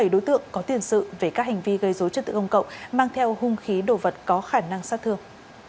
bảy đối tượng có tiền sự về các hành vi gây dối trật tự công cộng mang theo hung khí đồ vật có khả năng sát thương